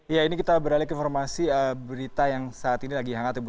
ya ini kita beralih ke informasi berita yang saat ini lagi hangat ya bu